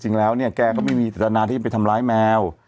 จริงแล้วเนี่ยแกก็ไม่มีจัตนาที่ไปทำร้ายแมว